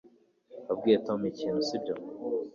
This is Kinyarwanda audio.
Wabwiye Tom ikintu sibyo